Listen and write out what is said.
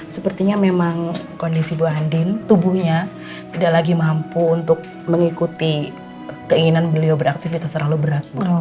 sepertinya memang kondisi bu andin tubuhnya tidak lagi mampu untuk mengikuti keinginan beliau beraktivitas terlalu berat